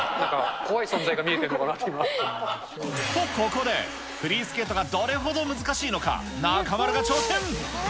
なんか、と、ここで、フリースケートがどれほど難しいのか、中丸が挑戦。